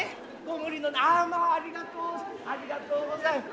ああまあありがとうございます。